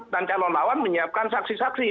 dan calon lawan menyiapkan saksi saksi